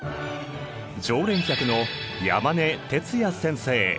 常連客の山根徹也先生。